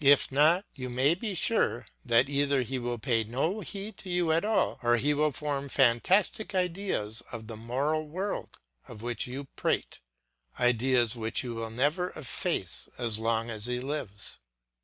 If not, you may be sure that either he will pay no heed to you at all, or he will form fantastic ideas of the moral world of which you prate, ideas which you will never efface as long as he lives.